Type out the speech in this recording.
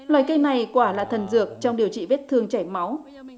loài cây này quả là thần dược trong điều trị vết thương chảy máu